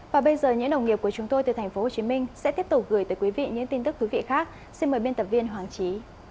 và bây giờ những đồng nghiệp của chúng tôi từ tp hcm sẽ tiếp tục gửi tới quý vị những tin tức thú vị khác xin mời biên tập viên hoàng trí